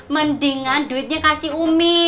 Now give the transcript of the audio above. mendingan duitnya kasih umi